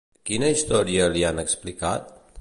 Quina història li han explicat?